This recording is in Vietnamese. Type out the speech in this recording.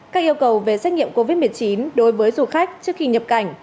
các yêu cầu về xét nghiệm covid một mươi chín đối với du khách trước khi nhập cảnh